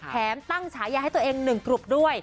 ตั้งฉายาให้ตัวเอง๑กลุ่มด้วย